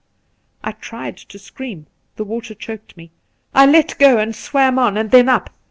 I tried to scream — the water choked me. I let go and swam on, and then up.